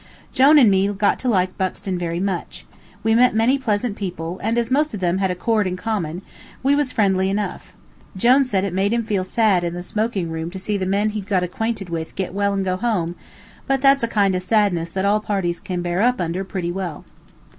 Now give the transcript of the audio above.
Jone and me got to like Buxton very much. We met many pleasant people, and as most of them had a chord in common, we was friendly enough. Jone said it made him feel sad in the smoking room to see the men he'd got acquainted with get well and go home, but that's a kind of sadness that all parties can bear up under pretty well.